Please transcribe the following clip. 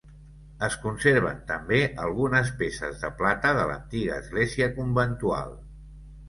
Es conserven també algunes peces de plata de l'antiga església conventual.